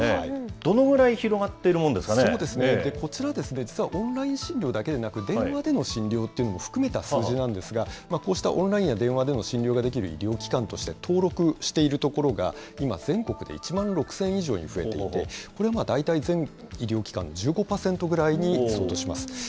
どのぐらい広がっているものですそうですね、こちら、実はオンライン診療だけでなく、電話での診療も含めた、数字なんですが、こうしたオンラインや電話での診療ができる医療機関として登録しているところが、今、全国で１万６０００以上に増えていて、これは大体、全医療機関の１５％ぐらいに相当します。